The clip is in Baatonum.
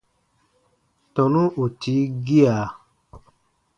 Tɔnu ù tii gia.